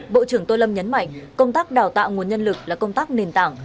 bộ trưởng tô lâm nhấn mạnh công tác đào tạo nguồn nhân lực là công tác nền tảng